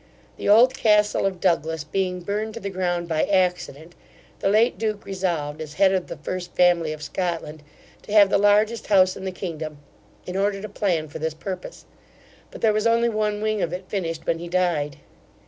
The old castle of Douglas being burned to the ground by accident, the late duke resolved, as head of the first family of Scotland, to have the largest house in the kingdom, and ordered a plan for this purpose; but there was only one wing of it finished when he died.